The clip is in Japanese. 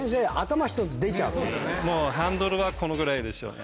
もうハンドルはこのぐらいですよね。